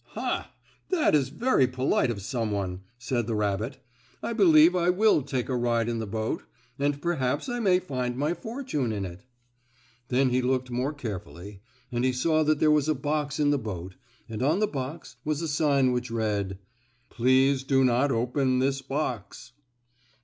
"Ha! That is very polite of some one," said the rabbit. "I believe I will take a ride in the boat. And perhaps I may find my fortune in it." Then he looked more carefully, and he saw that there was a box in the boat, and on the box was a sign which read: "PLEASE DO NOT OPEN THIS BOX."